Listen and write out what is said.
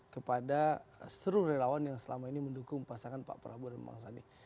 kepada seluruh relawan yang selama ini mendukung pasangan pak prabowo dan bang sandi